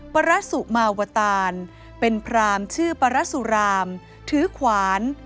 ประสุมาวตานเป็นพรามชื่อปรสุรามถือขวาน